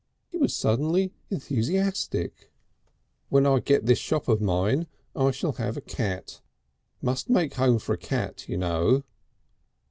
He was suddenly enthusiastic. "When I get this shop of mine I shall have a cat. Must make a home for a cat, you know."